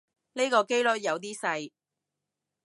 呢個機率有啲細